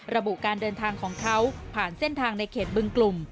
ระบุการเดินทางของเขาผ่านเส้นทางในเขตบึงกลุ่ม